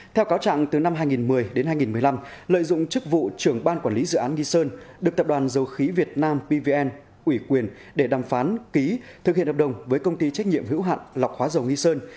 theo cáo trạng từ năm hai nghìn một mươi đến hai nghìn một mươi năm lợi dụng chức vụ trưởng ban quản lý dự án nghi sơn được tập đoàn dầu khí việt nam pvn ủy quyền để đàm phán ký thực hiện hợp đồng với công ty trách nhiệm hữu hạn lọc hóa dầu nghi sơn